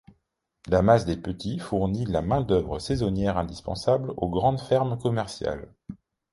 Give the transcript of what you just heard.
La masse des petits fournit la main d'œuvre saisonnière indispensable aux grandes fermes commerciales.